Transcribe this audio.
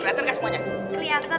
rater gak semuanya